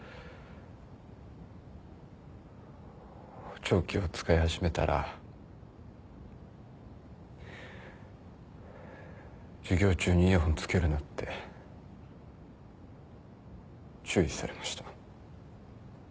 補聴器を使い始めたら授業中にイヤホンつけるなって注意されました。